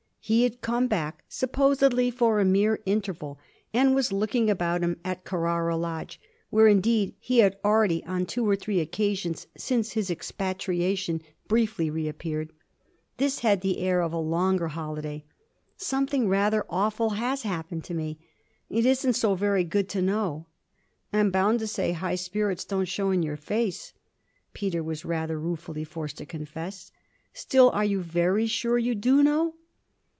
He had come back supposedly for a mere interval and was looking about him at Carrara Lodge, where indeed he had already on two or three occasions since his expatriation briefly reappeared. This had the air of a longer holiday. 'Something rather awful has happened to me. It isn't so very good to know.' 'I'm bound to say high spirits don't show in your face,' Peter was rather ruefully forced to confess. 'Still, are you very sure you do know?'